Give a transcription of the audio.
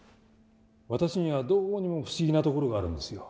私にはどうにも不思議なところがあるんですよ。